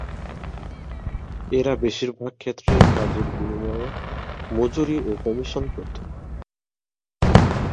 এরা বেশিরভাগ ক্ষেত্রেই কাজের বিনিময়ে মজুরি ও কমিশন পেত।